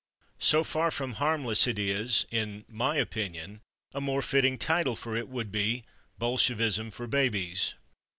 So far from harmless it is, in my opinion, a more fitting title for it would be "Bolshevism for Babies."